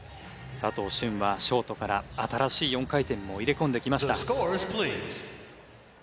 佐藤駿はショートから新しい４回転も入れ込んできました。